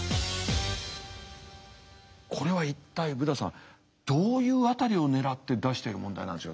これは一体ブダさんどういう辺りをねらって出してる問題なんでしょう？